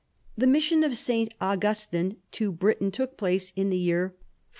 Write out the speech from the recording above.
The mission of St. Augustine* to Britain took place in the year 596.